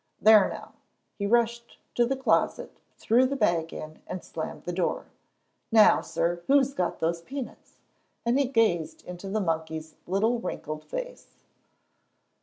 "There now!" He rushed to the closet, threw the bag in, and slammed the door. "Now, sir! who's got those peanuts?" and he gazed into the monkey's little wrinkled face.